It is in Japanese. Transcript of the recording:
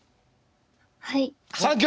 はい。